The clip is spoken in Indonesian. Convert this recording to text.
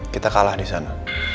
kita kalah di sana